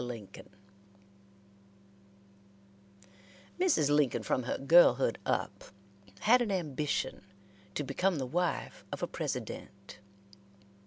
LINCOLN Mrs. Lincoln from her girlhood up had an ambition to become the wife of a President.